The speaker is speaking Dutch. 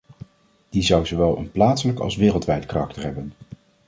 Die zou zowel een plaatselijk als wereldwijd karakter hebben.